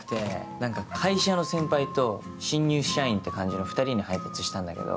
何か会社の先輩と新入社員って感じの２人に配達したんだけど。